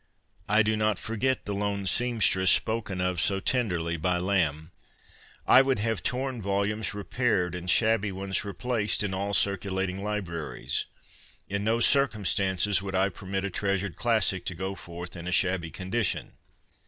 I do not forget the ' lone sempstress ' spoken of so tenderly by Lamb. I would have torn volumes repaired and shabby ones replaced in all circulating libraries. In no circumstances would I permit a treasured classic to go forth in a shabby condition.